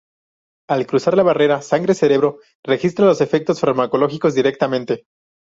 Al cruzar la barrera sangre-cerebro, registra los efectos farmacológicos directamente.